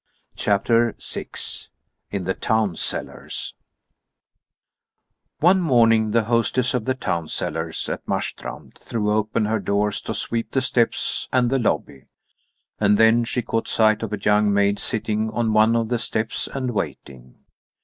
CHAPTER VI IN THE TOWN CELLARS One morning the hostess of the Town Cellars at Marstrand threw open her doors to sweep the steps and the lobby, and then she caught sight of a young maid sitting on one of the steps and waiting.